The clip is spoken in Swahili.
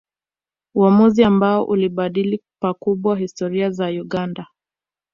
Uamuzi ambao uliibadili pakubwa historia ya Uganda